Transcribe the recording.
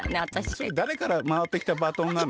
それだれからまわってきたバトンなの？